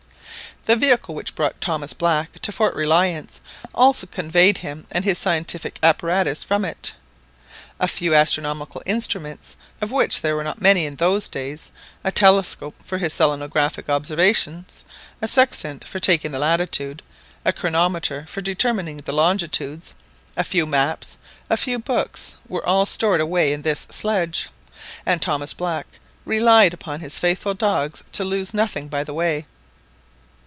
The vehicle which brought Thomas Black to Fort Reliance also conveyed him and his scientific apparatus from it. A few astronomical instruments, of which there were not many in those days a telescope for his selenographic observations, a sextant for taking the latitude, a chronometer for determining the longitudes, a few maps, a few books, were all stored away in this sledge, and Thomas Black relied upon his faithful dogs to lose nothing by the way.